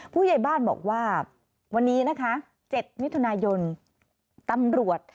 ผู้ใหญ่บ้านบอกว่าวันนี้นะคะ๗มิถุนายนตำรวจ